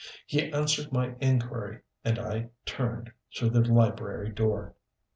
He answered my inquiry, and I turned through the library door.